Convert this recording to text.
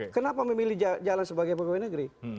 kenapa memilih jalan sebagai pegawai negeri